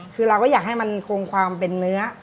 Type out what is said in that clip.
คือเราก็อยากให้มันคงความเป็นเนื้อ